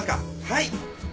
はい。